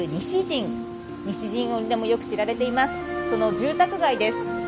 その住宅街です。